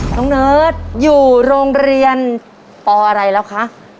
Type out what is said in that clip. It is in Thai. น้องเนิร์ดอยู่โรงเรียนปอะไรแล้วคะ